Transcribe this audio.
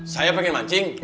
saya pengen mancing